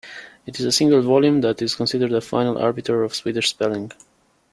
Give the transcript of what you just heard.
It is a single volume that is considered the final arbiter of Swedish spelling.